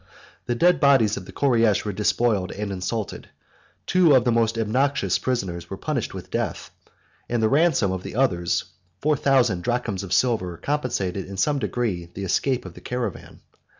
The dead bodies of the Koreish were despoiled and insulted: two of the most obnoxious prisoners were punished with death; and the ransom of the others, four thousand drams of silver, compensated in some degree the escape of the caravan.